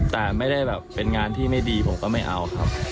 แต่ไม่ได้แบบเป็นงานที่ไม่ดีผมก็ไม่เอาครับ